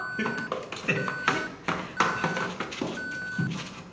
来て！